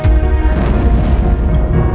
aku mau ke rumah sakit